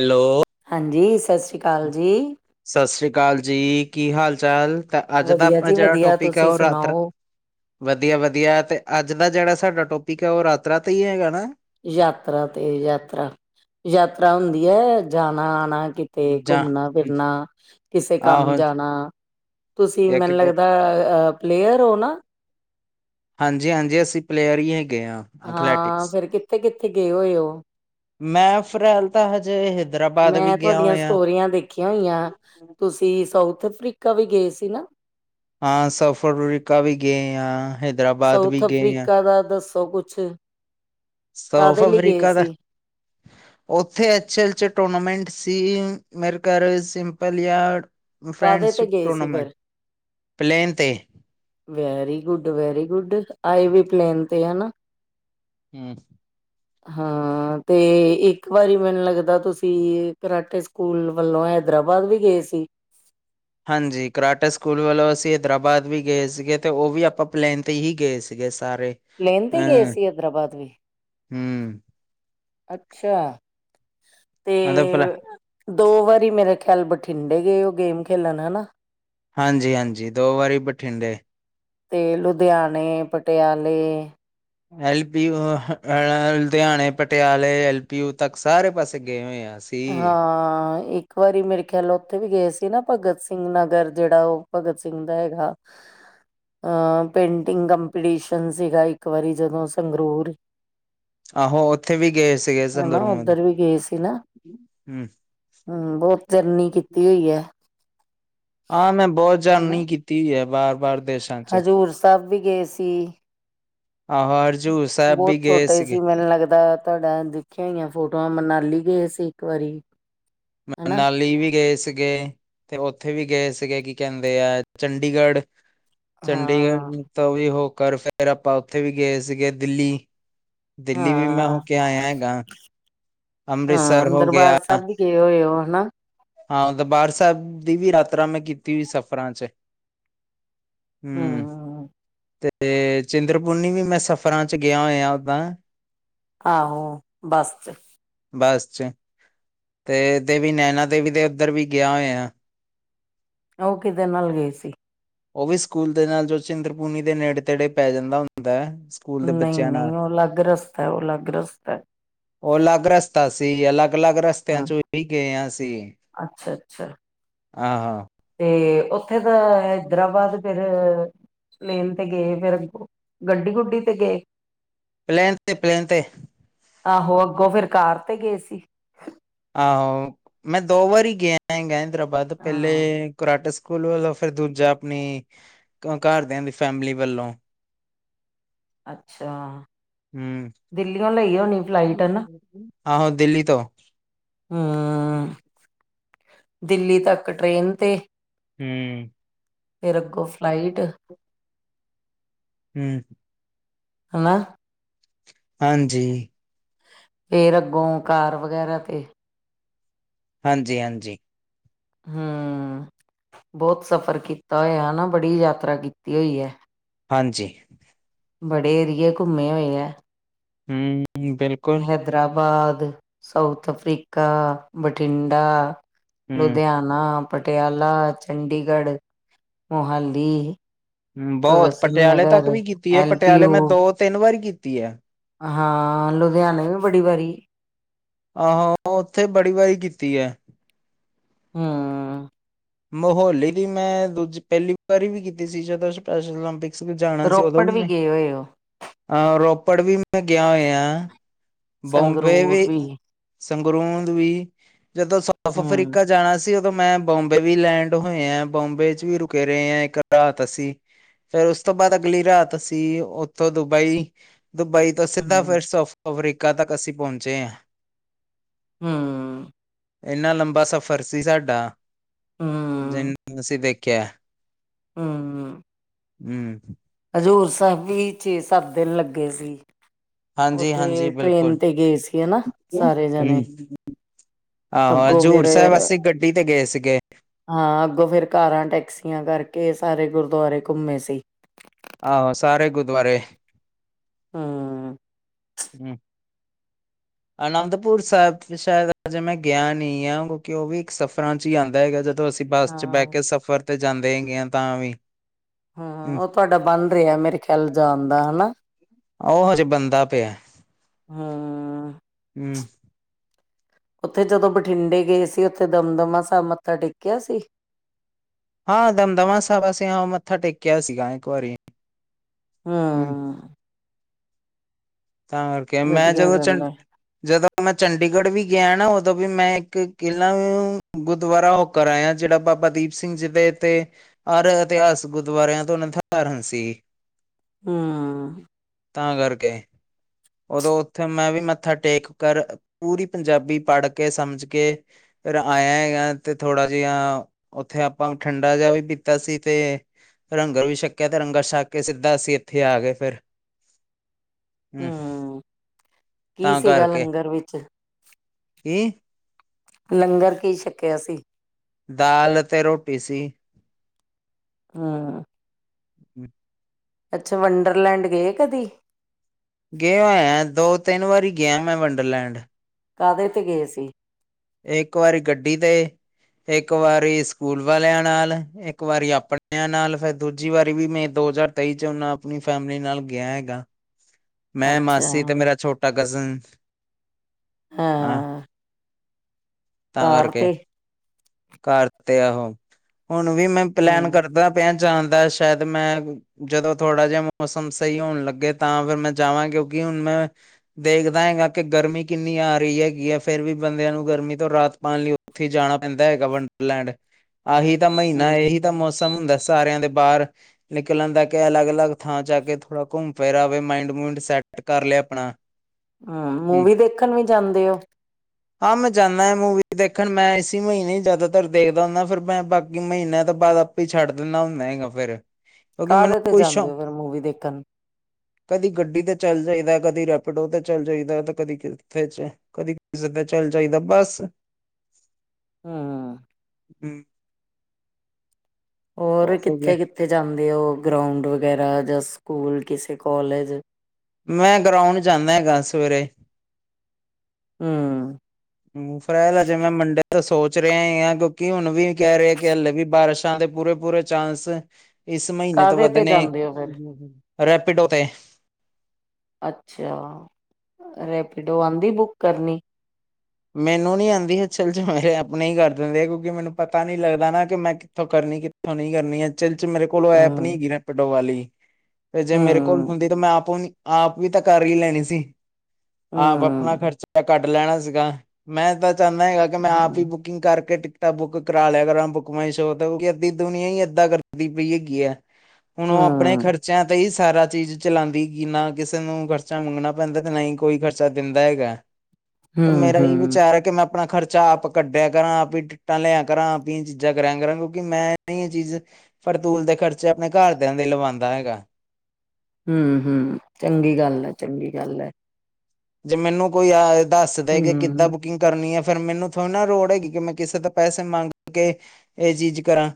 Hello, ਹਾਂਜੀ, ਸਤਿ ਸ੍ਰੀ ਅਕਾਲ ਹੂੰ, ਜੀ। ਸਤ ਸ੍ਰੀ ਕਾਲ ਜੀ। ਕੀ ਹਾਲ-ਚਾਲ? ਤਾਂ ਅੱਜ ਦਾ ਵਧੀਆ ਅਪਨਾ ਜੀ ਜੇੜਾ ਵਧੀਆ, ਟੋਪਿਕ ਆ, ਤੁਸੀਂ ਔ ਰਾਤ ਦਾ ਸੁਣਾਓ? ਵਧੀਆ ਵਧੀਆ ਤੇ ਅੱਜ ਦਾ ਜੇੜਾ ਸਾਡਾ ਟੋਪਿਕ ਹੈ ਓਹ ਰਾਤ ਰਾਤੇਂ ਹੀ ਹੈਗਾ ਨਾ‌। ਯਾਤਰਾ ਤੇ, ਯਾਤਰਾ ਯਾਤਰਾ ਹੁੰਦੀ ਐ, ਜਾਨਾ ਕਿਤੇ ਜਾਂ ਘੁੰਮਨਾ-ਫਿਰਨਾ, ਕਿਸੇ ਕੰਮ ਆਹੋ ਜਾਨਾ। ਤੁਸੀਂ ਜਾਂ ਮੈਨੂੰ ਕਿਤੇ ਲੱਗਦੈ ਅ ਪਲੇਅਰ ਔਨਾ? ਹਾਂਜੀ ਹਾਂਜੀ, ਅਸੀਂ ਪਲੇਅਰ ਹੀ ਹੈਗ ਹਾਂ, ਫੇਰ ਕਿੱਥੇ ਕਿੱਥੇ ਗਏ ਹੋਏ ਔ? ਮੈਂ ਫਰੈਲ ਤਾਂ ਹਜੇ ਏਹ ਮੈਂ ਤੁਹਾਡੀਆਂ ਸਟੋਰੀਆਂ ਦੇਖੀਆਂ ਹੋਈਆਂ, ਤੁਸੀਂ ਸਾਊ ਉਥ ਅਫਰੀਕਾ ਵੀ ਗਏ ਸੀ ਨਾ। ਹਾਂ, ਸਫਰਰੀਕਾ ਵੀ ਗਏ ਆਂ। ਸਾਊਥ ਅਫਰੀਕਾ ਦਾ ਦੱਸੋ ਕੁਛ। ਸਾਊਥ ਕਾਹਦੇ ਲਈ ਗਏ ਅਫਰੀਕਾ ਦਾ। ਸੀ? ਓਥੇ ਐਚ ਐਲ ਚ ਟੂਰਨਾਮੈਂਟ ਸੀ, ਮੇਰੇ ਘਰ ਸਿੰਪਲ ਯਾ ਕਾਹਦੇ ਤੇ ਫਰੈਂਡਸ਼ਿਪ ਗਏ ਸੀ ਟੂਰਨਾਮੈਂਟ, ਫੇਰ? ਪਲੇਨ ਤੇ। Very good, very good. ਆਏ ਵੀ ਪਲੇਨ ਤੇ ਹੈ ਨਾ। ਹੂੰ। ਹਾਂ ਤੇ ਇੱਕ ਵਾਰੀ ਮੈਨੂੰ ਲੱਗਦਾ ਤੁਸੀਂ ਕਰਾਟੇ ਸਕੂਲ ਵੱਲੋਂ ਐ ਹੈਦਰਾਬਾਦ ਵੀ ਗਏ ਸੀ। ਹਾਂਜੀ, ਕਰਾਟੇ ਸਕੂਲ ਵੱਲੋਂ ਅਸੀਂ ਹੈਦਰਾਬਾਦ ਵੀ ਗਏ ਸੀਗੇ, ਤੇ ਓਹ ਵੀ ਆਪਾਂ ਪਲੇਨ ਤੇ ਹੀ ਗਏ ਸੀਗੇ‌। ਸਾਰੇ ਪਲੇਨ ਤੇ ਗਏ ਅਹ ਸੀ ਹੈਦਰਾਬਾਦ ਵੀ ਹੂੰ। ਅੱਛਾ। ਤੇ ਮਤਲਬ ਭਲਾ ਦੋ ਵਾਰੀ ਮੇਰੇ ਖਿਆਲ ਬਠਿੰਡੇ ਗਏ ਔ, ਗੇਮ ਖੇਲਣ ਹੈਨਾ। ਹਾਂਜੀ ਹਾਂਜੀ ਦੋ ਵਾਰੀ ਬਠਿੰਡੇ। ਤੇ ਲੁਧਿਆਨੇ ਪਟਿਆਲੇ। ਐਲ ਪੀ ਯੂ ਅੜਾ ਲੁਧਿਆਣੇ ਪਟਿਆਲੇ ਐਲ ਪੀ ਯੂ ਤੱਕ ਸਾਰੇ ਪਾਸੇ ਗਏ ਹੋਏ ਆ। ਅਸੀਂ ਹਾਂ, ਇੱਕ ਵਾਰੀ ਮੇਰੇ ਖਿਆਲ ਓਥੇ ਵੀ ਗਏ ਸੀ ਨਾ ਭਗਤ ਸਿੰਘ ਨਗਰ। ਜੇੜਾ ਉਹ ਭਗਤ ਸਿੰਘ ਦਾ ਹੈਗਾ। ਅਹ ਪੇਂਟਿੰਗ ਕੰਪੀਟੀਸ਼ਨ ਸੀਗਾ, ਇੱਕ ਵਾਰੀ ਜਦੋਂ ਸੰਗਰੂਰ। ਆਹੋ ਉੱਥੇ ਵੀ ਗਏ ਸੀਗੇ ਹੈਨਾ, ਸੰਗਰੂਰ ਦੇ ਉੱਧਰ ਵੀ ਗਏ ਸੀ ਨਾ। ਹੂੰ ਹੂੰ, ਬਹੁਤ ਜਰਨੀ ਕੀਤੀ ਹੋਈ ਏ। ਹਾਂ ਮੈਂ ਬਹੁਤ ਹਨਾ ਜਰਨੀ ਕੀਤੀਈ ਐ, ਬਾਰ ਬਾਰ। ਦੇਸ਼ਾਂ ਚ ਹਜ਼ੂਰ ਸਾਹਿਬ ਵੀ ਗਏ ਸੀ। ਆਹੋ ਹਜ਼ੂਰ ਸਾਹਿਬ ਵੀ ਬਹੁਤ ਗਏ ਛੋਟੇ ਸੀਗੇ ਸੀ, ਮੈਨ ਲੱਗਦਾ ਤੁਹਾਡਾ ਦੇਖੀਆਂ ਹੋਈਆਂ ਫੋਟੋਆਂ ਮਨਾਲੀ ਗਏ ਸੀ ਇੱਕ ਵਾਰੀ। ਹਨਾ ਮਨਾਲੀ ਵੀ ਗਏ ਸੀਗੇ ਤੇ ਉੱਥੇ ਵੀ ਗਏ ਸੀ ਸੀਗੇ ਕੀ ਕਹਿੰਦੇ ਆ ਚੰਡੀਗੜ੍ਹ, ਹਾਂ ਚੰਡੀਗੜ੍ਹ ਤੋਂ ਵੀ ਉਹ ਕਰ ਫੇਰ ਆਪਾਂ ਉੱਥੇ ਵੀ ਗਏ ਸੀਗੇ ਦਿੱਲੀ ਦਿੱਲੀ ਵੀ ਮੈਂ ਹੋ ਹਾਂ ਕੇ ਆਇਆ ਹੈਗਾ। ਹਾਂ ਅੰਮ੍ਰਿਤਸਰ ਹੋ ਦਰਬਾਰ ਗਯਾ। ਸਾਹਿਬ ਵੀ ਗਏ ਹੋਏ ਹੋ ਹਨਾ ਹਾਂ, ਦਰਬਾਰ ਸਾਹਿਬ ਦੀ ਵੀ ਯਾਤਰਾ ਮੈਂ ਕੀਤੀ ਸਫ਼ਰਾਂ ਚ ਹੂੰ, ਹਮ ਤੇ ਤੇ ਚਿੰਦਰਪੁਰਨੀ ਵੀ ਮੈਂ ਸਫ਼ਰਾਂ ਚ ਗਯਾ ਹੋਯਾ ਉੱਦਾਂ। ਆਹੋ ਬਸ ਚ ਬਸ ਚ, ਤੇ ਦੇਵੀ ਨੈਨਾ ਦੇਵੀ ਦੇ ਉੱਧਰ ਵੀ ਗਿਆ ਹੋਯਾ। ਉਹ ਕਿਦੇ ਨਾਲ ਗਏ ਸੀ। ਉਹ ਵੀ ਸਕੂਲ ਦੇ ਨਾਲ ਜੋ ਚਿੰਦਰਪੁਨੀ ਦੇ ਨੇੜੇ ਤੇੜੇ ਪੈ ਜਾਂਦਾ ਹੁੰਦੈ। ਸਕੂਲ ਦੇ ਨਹੀਂ ਬੱਚਿਆਂ ਨਹੀਂ ਨਾਲ ਉਹ ਅਲੱਗ ਰਸਤਾ ਹੈ, ਉਹ ਅਲੱਗ ਰਸਤਾ ਹੈ। ਉਹ ਅਲੱਗ ਰਸ ਤਾ ਸੀ ਅਲੱਗ ਅਲੱਗ ਰਸਤਿਆਂ ਹਾਂ ਚੋਂ ਈ ਗਏ ਆ ਅਸੀ, ਅੱਛਾ ਅੱਛਾ ਆਹੋ। ਤੇ ਉੱਥੇ ਤਾਂ ਹੈਦਰਾ ਬਸ ਫੇਰ ਪਲੇਨ ਤੇ ਗਏ ਫੇਰ, ਗੱਡੀ ਗੁੱਡੀ ਤੇ ਗਏ। ਪਲੈਨ ਤੇ ਪਲੇਨ ਤੇ। ਆਹੋ, ਅੱਗੋਂ ਫਿਰ ਕਾਰ ਤੇ ਗਏ ਸੀ। ਆਹੋ ਮੈਂ ਦੋ ਵਾਰੀ ਗਿਆ ਹੈਂਗਾ ਹੈਦਰਾਬਾਦ, ਹਾਂ ਪਹਿਲੇ ਕਰਾਟੇ ਸਿੱਖ ਸਕੂਲ ਵੱਲੋਂ ਫੇਰ ਦੂਜਾ ਆਪਣੀ ਕਾਰਦਿਆਂ ਦੀ ਫੈਮਲੀ ਵੱਲੋਂ। ਅੱਛਾ। ਹੂੰ, ਦਿੱਲੀਓ ਲਈ ਹੋਣੀ ਫਲਾਈਟ ਹਨਾ। ਆਹੋ ਦਿੱਲੀ ਤੋਂ ਹੁ, ਦਿੱਲੀ ਤੱਕ ਟਰੇਨ ਤੇ ਹੂੰ। ਫਿਰ ਅੱਗੋਂ ਫਲਾਈਟ ਹੂੰ। ਹੈਨਾ। ਹਾਂਜੀ। ਫੇਰ ਅੱਗੋਂ ਕਾਰ ਵਗੈਰਾ ਤੇ। ਹਾਂਜੀ, ਹਾਂਜੀ। ਹੂੰ। ਬੋਤ ਸਫ਼ਰ ਕੀਤਾ ਹੋਇਆ ਹੈਨਾ, ਬੜੀ ਯਾਤਰਾ ਕੀਤੀ ਹੋਈ ਏ। ਹਾਂਜੀ। ਬੜੇ ਏਰੀਏ ਕੁੱਮੇ ਓਏ ਐ। ਹੂੰ, ਬਿਲਕੁਲ। ਬਾਅਦ ਸਾਊਥ ਅਫਰੀਕਾ, ਬਠਿੰਡਾ, ਹਮ ਲੁਧਿਆਣਾ ਪਟਿਆਲਾ, ਚੰਡੀਗੜ੍ਹ, ਮੋਹਾਲੀ ਭਗਤ ਬੋਤ, ਸਿੰਘ ਪਟਿਆਲੇ ਤੱਕ ਨਗਰ, ਵੀ ਕੀਤੀ ਐ, ਐਲ ਪੀ ਪਟਿਆਲੇ ਯੂ ਮੈਂ ਦੋ ਤਿੰਨ ਵਾਰੀ ਕੀਤੀ ਐ। ਹਾਂ, ਲੁਧਿਆਣੇ ਵੀ ਬੜੀ ਵਾਰੀ ਆਹੋ ਉੱਥੇ ਬੜੀ ਵਾਰੀ ਕੀਤੀ ਐ। ਹੁ। ਮਹੋਲੀ ਵੀ ਮੈਂ ਦੂਜੀ ਪਹਿਲੀ ਵਾਰੀ ਵੀ ਕੀਤੀ ਸੀ ਜਦੋਂ ਸਪੈਸ਼ਲ ਓਲੰਪਿਕ ਜਾਣਾ ਸੀ ਉਦੋਂ ਰੋਪੜ ਵੀ ਮੈਂ ਗਏ ਹੋਏ ਹੋ ਅ ਰੋਪ ਪੜ ਵੀ ਮੈਂ ਗਯਾ ਓਯਾ, ਬੋਂਬੇ ਵੀ, ਸੰਗਰੂਂਦ ਵੀ। ਜਦੋਂ ਸਾਊਥ ਹਮ ਅਫਰੀਕਾ ਜਾਣਾ ਸੀ ਉਦੋਂ ਮੈਂ ਬੋਬ ਬਬੇ ਵੀ ਲੈਂਡ ਹੋਏ ਆਂ, ਬੋਂਬੇ ਚ ਵੀ ਰੁਕੇ ਰਹੇ ਆਂ ਇੱਕ ਰਾਤ ਅਸੀਂ। ਫੇਰ ਉਸ ਤੋਂ ਬਾਅਦ ਅਗਲੀ ਰਾਤ ਅਸੀਂ ਉੱਥੋਂ ਦੁਬਈ ਦੁਬਈ ਤੋਂ ਸਿੱਧਾ ਹਮ ਫੇਰ ਸਾਊਥ ਅਫਰੀਕਾ ਤੱਕ ਅਸੀਂ ਪਹੁੰਚੇ ਆਂ। ਹੁ। ਇੰਨਾ ਲੰਬਾ ਸਫ਼ਰ ਸੀ ਸਾਡਾ ਜਿਨੂੰ ਅਸੀਂ ਦੇਖਿਆ। ਹੁ। ਹੁ। ਹਜ਼ੂਰ ਸਾਹਿਬ ਵੀ ਛੇ ਸੱਤ ਦਿਨ ਲੱਗੇ ਸੀ। ਹਾਂਜੀ ਹਾਂਜੀ ਉੱਥੇ ਬਿਲਕੁਲ ਟ੍ਰੇਨ ਤੇ ਗਏ ਸੀ ਹਨਾ ਹੂੰ ਸਾਰੇ ਜਾਣੇ। ਆਹੋ ਅੱਗੋਂ ਫਿਰ, ਹਜ਼ੂਰ ਸਾਹਿਬ ਅਸੀਂ ਗੱਡੀ ਤੇ ਗਏ ਸੀਗੇ ਹਾਂ ਅੱਗੋਂ ਫਿਰ ਕਾਰਾਂ, ਟੈਕਸੀ [unintelligible] ਕਰਕੇ ਸਾਰੇ ਗੁਰਦੁਆਰੇ ਘੁੰਮੇ ਸੀ। ਆਹੋ ਸਾਰੇ ਗੁਰਦੁਆਰੇ ਹਾਂ ਹੂੰ ਅਨੰਦਪੁਰ ਸਾਹਿਬ ਵੀ ਸ਼ਾਇਦ ਅਜੇ ਮੈਂ ਗਿਆ ਨਹੀਂ ਆ ਕਿਉਂਕਿ ਉਹ ਵੀ ਇੱਕ ਸਫ਼ਰਾਂ 'ਚ ਹੀ ਆਂਦਾ ਹੈਗਾ। ਜਦੋਂ ਅਸੀਂ ਬੱਸ 'ਚ ਬਹਿ ਹਾਂ ਕੇ ਸਫ਼ਰ ਤੇ ਜਾਂਦੇ ਹੈਗੇ ਹਾਂ ਤਾਂ ਵੀ। ਹੂੰ ਉਹ ਤੁਹਾਡਾ ਬਣ ਰਿਹਾ ਮੇਰੇ ਖਿਆਲ ਜਾਣ ਦਾ ਹਨਾ। ਉਹ ਹਜੇ ਬਣਦਾ ਪਿਆ। ਹਮ ਹੂੰ ਉੱਥੇ ਜਦੋਂ ਬਠਿੰਡੇ ਗਏ ਸੀ ਉੱਥੇ ਦਮਦਮਾ ਸਹਿਬ ਮੱਥਾ ਟੇਕਿਆ ਸੀ? ਹਾਂ ਦਮਦਮਾ ਸਾਹਿਬ ਅਸੀਂ ਮੱਥਾ ਟੇਕਿਆ ਸੀਗਾ ਇੱਕ ਵਾਰੀ। ਹੂੰ ਹਾਂ ਤਾਂ ਕਰਕੇ ਮੈਂ ਵਧੀਆ ਜਦੋਂ ਗੱਲ ਚੰ ਹੈ ਜਦੋਂ ਮੈਂ ਚੰਡੀਗੜ੍ਹ ਵੀ ਗਿਆ ਨਾ ਉਦੋਂ ਵੀ ਮੈਂ ਇੱਕ ਕਿਲਾ ਗੁਰਦੁਆਰਾ ਹੋਕਰ ਆਇਆ ਜਿਹੜਾ ਬਾਬਾ ਦੀਪ ਸਿੰਘ ਜੀ ਦੇ ਤੇ ਹਰ ਇਤਿਹਾਸਕ ਗੁਰਦੁਆਰਿਆਂ ਤੋਂ ਨਿਰਧਾਰਨ ਸੀ। ਹਾਂ ਤਾਂ ਕਰਕੇ ਉਦੋਂ ਉੱਥੇ ਮੈਂ ਵੀ ਮੱਥਾ ਟੇਕ ਕਰ ਪੂਰੀ ਪੰਜਾਬੀ ਪੜ੍ਹ ਕੇ ਸਮਝ ਕੇ ਆਇਆ ਹੈਗਾ ਤੇ ਥੋੜ੍ਹਾ ਜਿਹਾ ਉੱਥੇ ਆਪਾਂ ਠੰਡਾ ਜਿਹਾ ਵੀ ਪੀਤਾ ਸੀ ਤੇ ਰੰਗਰ ਵੀ ਛਕਿਆ ਤੇ ਰੰਗਰ ਛੱਕ ਕੇ ਸਿੱਧਾ ਅਸੀਂ ਇੱਥੇ ਆ ਗਏ ਫੇਰ। ਹੂੰ ਕੀ ਤਾਂ ਸੀਗਾ ਕਰਕੇ ਲੰਗਰ ਵਿੱਚ? ਕੀ ਲੰਗਰ ਕੀ ਛਕਿਆ ਸੀ? ਦਾਲ ਅਤੇ ਰੋਟੀ ਸੀ। ਹਾਂ [inaudible] ਅੱਛਾ ਵੰਡਰਲੈਂਡ ਗਏ ਕਦੀ? ਗਏ ਹੋਏ ਆ ਦੋ-ਤਿੰਨ ਵਾਰੀ ਗਿਆ ਮੈਂ ਵੰਡਰਲੈਂਡ। ਕਾਹਦੇ ਤੇ ਗਏ ਸੀ? ਇੱਕ ਵਾਰੀ ਗੱਡੀ ਤੇ ਇੱਕ ਵਾਰੀ ਸਕੂਲ ਵਾਲਿਆਂ ਨਾਲ, ਇੱਕ ਵਾਰੀ ਆਪਣਿਆਂ ਨਾਲ ਫਿਰ ਦੂਜੀ ਵਾਰੀ ਵੀ ਮੈਂ ਦੋ ਦੋ ਹਜ਼ਾਰ ਤੇਈ 'ਚ ਉਹਨਾਂ ਆਪਣੀ ਫੈਮਲੀ ਨਾਲ ਗਿਆ ਹੈਗਾ। ਮੈਂ, ਅੱਛਾ ਮਾਸੀ ਤੇ ਮੇਰਾ ਛੋਟਾ ਕਜ਼ਨ। ਹਾਂ ਤਾਂ ਕਾਰ ਕਰਕੇ ਤੇ ਕਰ ਤੇ ਆਹੋ ਹੁਣ ਵੀ ਮੈਂ ਹੂੰ ਪਲੈਨ ਕਰਦਾ ਪਿਆ ਜਾਣ ਦਾ ਸ਼ਾਇਦ ਮੈਂ ਜਦੋਂ ਥੋੜਾ ਜਿਹਾ ਮੌਸਮ ਸਹੀ ਹੋਣ ਲੱਗੇ ਤਾਂ ਫਿਰ ਮੈਂ ਜਾਵਾਂ ਕਿਉਂਕਿ ਹੁਣ ਮੈਂ ਦੇਖਦਾ ਹੈਗਾ ਕਿ ਗਰਮੀ ਕਿੰਨੀ ਆ ਰਹੀ ਹੈਗੀ ਹੈ ਫੇਰ ਵੀ ਬੰਦਿਆਂ ਨੂੰ ਗਰਮੀ ਰਾਤ ਪਾਣ ਲਈ ਉੱਥੇ ਹੀ ਜਾਣਾ ਪੈਂਦਾ ਹੈਗਾ ਵੰਡਰਲੈਂਡ। ਆਹੀ ਤਾਂ ਹੂੰ ਮਹੀਨਾ ਇਹੀ ਤਾਂ ਮੌਸਮ ਹੁੰਦਾ। ਸਾਰਿਆਂ ਦੇ ਬਾਹਰ ਨਿਕਲਣ ਦਾ ਕਿ ਅਲੱਗ-ਅਲੱਗ ਥਾਂ 'ਚ ਆ ਕੇ ਥੋੜਾ ਘੁੰਮ ਫਿਰ ਆਵੇ, ਮਾਇੰਡ ਮੁਇੰਡ ਸੈਟ ਕਰ ਲਿਆ ਆਪਣਾ। ਹਾਂ ਹੂੰ। ਮੂਵੀ ਦੇਖਣ ਵੀ ਜਾਂਦੇ ਹੋ? ਜਾਂਨਾ ਏ ਮੂਵੀ ਦੇਖਣ ਮੈਂ ਇਸੀ ਮਹੀਨੇ ਹੀ ਜ਼ਿਆਦਾਤਰ ਦੇਖਦਾ ਹੁੰਨਾ ਫੇਰ ਮੈਂ ਬਾਕੀ ਮਹੀਨਿਆਂ ਤੋਂ ਬਾਅਦ ਆਪੇ ਛੱਡ ਦਿੰਨਾ ਹੁੰਦਾ ਹੈਗਾ ਫੇਰ। ਕਾਹਦੇ ਤੇ ਜਾਂਦੇ ਹੋ ਫਿਰ ਮੂਵੀ ਦੇਖਣ। ਕਦੀ ਗੱਡੀ ਤੇ ਚੱਲ ਜਾਈਦਾ, ਕਦੀ ਰੈਪੀਡੋ ਤੇ ਚੱਲ ਜਾਈਦਾ, ਤੇ ਕਦੀ ਕਿੱਥੇ 'ਚ ਕਦੀ ਕਿਸੇ ਤੇ ਚੱਲ ਜਾਈਦਾ ਬਸ। ਹੂੰ। ਹੂੰ। ਹੋਰ ਕਿੱਥੇ ਕਿੱਥੇ ਜਾਂਦੇ ਉ, ਗਰਾਉਂਡ ਵਗੈਰਾ ਜਾਂ ਸਕੂਲ ਕਿਸੇ ਕੋਲਜ। ਮੈਂ ਗਰਾਉਂਡ ਜਾਂਦਾ ਹੈਗਾ ਸਵੇਰੇ। ਹੂੰ। ਹੂੰ ਫਿਲਹਾਲ ਅਜੇ ਮੈਂ ਮੰਡੇ ਤੋ ਸੋਚ ਪੁੱਛ ਰਿਹਾ ਆ ਕਿਉਂਕਿ ਹੁਣ ਵੀ ਕਹਿ ਰਹੇ ਕਿ ਹਲੇ ਵੀ ਬਾਰਿਸ਼ਾਂ ਦੇ ਪੂਰੇ ਪੂਰੇ ਚਾਂਸ ਇਸ ਮਹੀਨੇ ਤੋਂ ਕਾਹਦੇ ਤੇ ਵੱਧਣੇ ਜਾਂਦੇ ਹੋ ਫਿਰ ਰੈਪਿਡੋ ਤੇ ਅੱਛਾ, ਰੈਪੀਡੋ ਆਂਦੀ ਬੁੱਕ ਕਰਨੀ। ਮੈਨੂੰ ਨੀ ਆਂਦੀੱ ਅਸਲ ਚ ਮੇਰੇ ਅਪੜ਼ਨੇ ਈ ਕਰ ਦਿੰਦੇ ਆ, ਕਿਉਂਕਿ ਮੈਨੂੰ ਪਤਾ ਨੀ ਲੱਗਦਾ ਨਾ ਕਿ ਮੈਂ ਕਿੱਥੋਂ ਕਰ ਕਿੱਥੋਂ ਕਰਨੀ, ਕਿੱਥੋਂ ਨੀ ਕਰਨੀ ਅਸਲ ਚ ਮੇਰੇ ਕੋਲ ਐਪ ਨਹੀਂ ਹੈਗੀ, ਰੈਪਿਡੋ ਵਾਲੀ ਤੇ ਜੇ ਮੇਰੇ ਕੋਲ ਹੁੰਦੀ ਤਾਂ ਮੈਂ ਆਪੋ ਆਪ ਵੀ ਤਾਂ ਕਰ ਹੀ ਲੈਣੀ ਸੀ, ਆਪ ਅਪਣਾ ਖਰਚਾ ਕੱਢ ਲੈਣਾ ਸੀਗਾ। ਮੈਂ ਤਾਂ ਚਾਹੁੰਦਾ ਹੈਗਾ ਕਿ ਮੈਂ ਆਪ ਹੀ ਹੂੰ-ਹੂੰ-ਹੂੰ-ਹੂੰ-ਹੂੰ-ਹੂੰ ਬੁਕਿੰਗ ਕਰਕੇ ਇੱਕ ਤਾਂ ਬੁੱਕ ਕਰਾ ਲਿਆ ਕਰਾਂ ਬੁੱਕ, ਮੈ ਸੋਚਦਾ ਹਾਂ ਕਿ ਦੁਨੀਆਂ ਹੀ ਏਦਾਂ ਕਰਦੀ ਪਈ ਹੈਗੀ ਆ। ਹੁਣ ਉਹ ਆਪਣੇ ਖਰਚਿਆਂ ਤੇ ਈ ਸਾਰਾ ਚੀਜ਼ ਚਲਾਂਦੀ, ਕਿ ਨਾ ਕਿਸੇ ਨੂੰ ਖਰਚਾ ਮੰਗਨਾ ਪੈਂਦਾ ਤੇ ਨਾਹੀਂ ਕੋਈ ਖਰਚਾ ਦਿੰਦਾ ਹੈਗਾ। ਹੂੰ ਏਹੀ ਵਿਚਾਰ ਆ ਕਿ ਮੈਂ ਅਪਣਾ ਖਰਚਾ ਆਪ ਕੱਢਿਆ ਕਰਾਂ, ਆਪ ਟਿਕਟਾਂ ਲਿਆ ਕਰਾਂ, ਆਪ ਇਹ ਚੀਜ਼ਾਂ ਕਰਿਆ ਕਰਾਂ ਕਿਉਂਕਿ ਮੈਂ ਨਹੀਂ ਇਹ ਚੀਜ਼ ਫਰਤੂਲ ਦੇ ਖਰਚੇ ਅਪਣੇ ਘਰਦਿਆਂ ਦੇ ਲਵਾਂਦਾ ਹੈਗਾ। ਹੂੰ-ਹੂੰ ਚੰਗੀ ਗੱਲ ਐ ਚੰਗੀ ਗੱਲ ਐ। ਜੇ ਮੈਨੂੰ ਕੋਈ ਆ ਦੱਸ ਦੇ ਕਿ ਕਿੱਦਾਂ ਹੂੰ, ਬੁਕਿੰਗ ਕਰਨੀ ਐ ਫੇਰ ਮੈਨੂੰ ਥੋੜ੍ਹੀ ਨਾ ਲੋੜ ਹੈਗੀ, ਕਿ ਮੈਂ ਕਿਸੇ ਦਾ ਪੈਸੇ ਮੰਗ ਕੇ ਇਹ ਚੀਜ਼ ਕਰਾਂ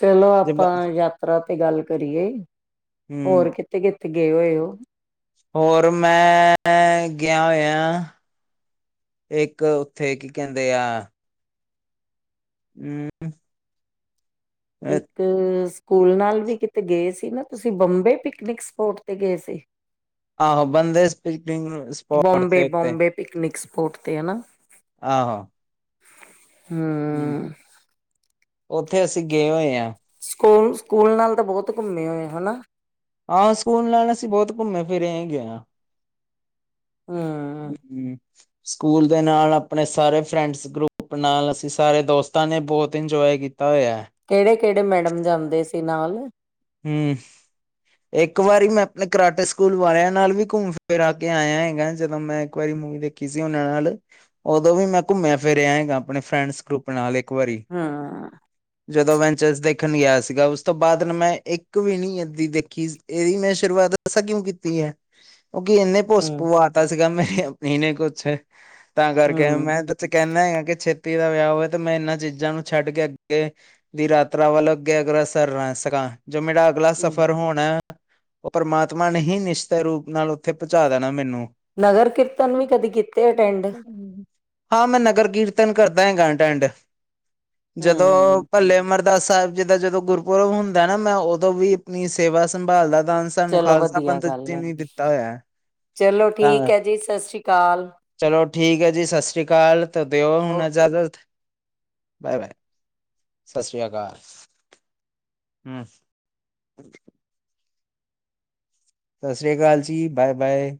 ਚਲੋ ਜੇ ਬ- ਆਪਾਂ ਯਾਤਰਾ ਤੇ ਗੱਲ ਕਰੀਏ, ਹਮ ਹੋਰ ਕਿੱਥੇ ਕਿੱਥੇ ਗਏ ਹੋਏ ਓ। ਹੋਰ ਮੈਂ ਗਿਆ ਹੋਇਆ ਇੱਕ ਉੱਥੇ ਕੀ ਕਹਿੰਦੇ ਆ ਹੂੰ। ਇੱਕ ਸਕੂਲ ਨਾਲ ਵੀ ਕਿਤੇ ਗਏ ਸੀ ਏ ਨਾ ਤੁਸੀਂ ਬੰਬੇ ਪਿਕਨਿਕ ਸਪੋਟ ਤੇ ਗਏ ਸੀ। ਆਹੋ ਬੰਦੇ ਸਪਿਡੀਕ ਸਪੋਟ ਤੇ ਉੱਤੇ। ਪੋਟ ਤੇ ਹੇਨਾ। ਆਹੋ। ਹੂੰ। ਹਮ ਉੱਥੇ ਅਸੀਂ ਗਏ ਹੋਏ ਆ। ਸਕੂਲ, ਸਕੂਲ ਨਾਲ ਤਾਂ ਬਹੁਤ ਘੁੰਮੇ ਹੋਏ ਹਨਾ। ਹਾਂ, ਸਕੂਲ ਨਾਲ ਅਸੀ ਬਹੁਤ ਘੁੰਮੇ ਫਿਰੇ ਹੈਗੇ ਆ। ਹੂੰ, ਹੂੰ। ਸਕੂਲ ਦੇ ਨਾਲ ਅਪਣੇ ਸਾਰੇ ਫਰੈਂਡਸ ਗਰੁੱਪ ਨਾਲ ਅਸੀਂ ਸਾਰੇ ਦੋਸਤਾਂ ਨੇ ਬਹੁਤ ਇੰਜੋਏ ਕੀਤਾ ਹੋਇਆ। ਹੈ। ਕਿਹੜੇ ਕਿਹੜੇ ਮੈਡਮ ਜਾਂਦੇ ਸੀ ਨਾਲ। ਹਮ। ਇੱਕ ਵਾਰੀ ਮੈਂ ਅਪਨੇ ਕਰਾਟੇ ਸਕੂਲ ਵਾਲਿਆਂ ਨਾਲ ਵੀ ਘੁੰਮ ਫਿਰ ਕੇ ਆਇਆ, ਹੈਗਾ ਜਦੋਂ ਮੈਂ ਇੱਕ ਵਾਰੀ ਮੂਵੀ ਦੇਖੀ ਸੀ ਉਹਨਾਂ ਨਾਲ ਉਦੋਂ ਵੀ ਮੈਂ ਘੁੰਮਿਆ ਫਿਰਿਆ ਏਗਾ ਅਪਣੇ ਫਰੈਂਡਸ ਗਰੁੱਪ ਨਾਲ ਵਾਰੀ ਹਾ ਜਦੋਂ ਵੈਂਚਰਸ ਦੇਖਣ ਗਿਆ ਸੀਗਾ ਉਸ ਤੋਂ ਬਾਅਦ ਨਾ ਮੈਂ ਇੱਕ ਵੀ ਨੀ ਅੱਧੀ ਦੇਖੀ ਇਹਦੀ ਮੈਂ ਸ਼ੁਰੂਆਤ ਦੱਸਾਂ ਕਿਉਂ ਕੀਤੀ ਐ? ਉਹ ਕਿ ਇੰਨੇ ਭੁਸ ਹੂੰ। ਪਵਾ ਤਾ ਸੀਗਾ [unintelligible] ਕੁਛ। ਤਾਂ ਕਰਕੇ ਹੂੰ ਮੈਂ ਕੁਝ ਕਹਿੰਨਾ ਆ ਕੇ ਛੇਤੀ ਇਹਦਾ ਵਿਆਹ ਹੋਵੇ, ਤੇ ਮੈਂ ਇਹਨਾਂ ਚੀਜ਼ਾਂ ਨੂੰ ਛੱਡ ਕੇ ਅੱਗੇ ਦੀ ਯਾਤਰਾ ਵੱਲ ਅੱਗੇ ਅਗ੍ਰਸਰ ਰਹਾਂ। ਸਕਾਂ ਜੋ ਮੇਰਾ ਅਗਲਾ ਹੂੰ ਸਫ਼ਰ ਹੋਣਾ ਉਹ ਪਰਮਾਤਮਾ ਨਹੀਂ ਨਿਸ਼ਚੇ ਰੂਪ ਨਾਲ ਉੱਥੇ ਪਹੁੰਚਾ ਦੇਣਾ ਮੈਨੂੰ। ਨਗਰ ਕੀਰਤਨ ਵੀ ਕਦੇ ਕੀਤੇ ਅਟੈਂਡ ਹਾਂ ਮੈਂ ਨਗਰ ਕੀਰਤਨ ਕਰਦਾ ਹੈਗਾ ਅਟੈਂਡ, ਜਦੋਂ ਹੂੰ ਭਲੇ ਮਰਦ ਕੀ ਸਾਹਿਬ ਜੀ ਦਾ ਜਦੋਂ ਗੁਰਪੁਰਬ ਹੁੰਦਾ ਨਾ, ਮੈਂ ਉਦੋਂ ਵੀ ਆਪਣੀ ਸੇਵਾ ਸੰਭਾਲਦਾ। ਦਾਨ ਸਾਨੂੰ ਚਲੋ ਖਾਲਸਾ ਵਧੀਆ ਪੰਥ ਗੱਲ ਜੀ ਹੈ। ਨੇ ਦਿੱਤਾ ਹੋਇਆ। ਚਲੋ ਤਾਂ ਠੀਕ ਹੈ ਜੀ ਸਸ ਰੀ ਕਾਲ। ਚਲੋ ਠੀਕ ਹੈ ਜੀ ਸਸ ਰੀ ਕਾਲ, ਦਿਓ ਹੁਣ ਓਕੇ ਇਜਾਜ਼ਤ। ਬਾਏ- ਬਾਏ ਸਸ ਰੀਆ ਕਾਲ, ਹੂੰ। [unintelligible] ਸਸ ਰੀਆ ਕਾਲ ਜੀ ਬਾਏ- ਬਾਏ।